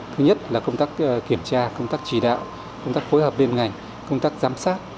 thứ nhất là công tác kiểm tra công tác chỉ đạo công tác phối hợp liên ngành công tác giám sát